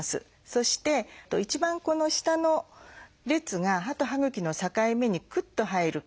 そして一番この下の列が歯と歯ぐきの境目にクッと入る感じ。